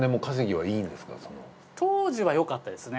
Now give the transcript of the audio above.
当時はよかったですね。